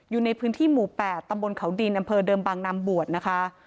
อยู่ในพื้นที่หมู่๘ตำบลเขาดินอำเภอเดิมบางนำบวชนะคะ